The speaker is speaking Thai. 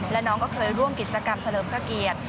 และน้องก็เคยร่วมกิจกรรมเฉลิมพระเกียรติ